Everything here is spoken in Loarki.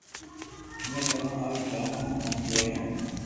امي تمو ھارون جآوو ھون ھين جيويو